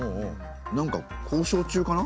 なんか交渉中かな？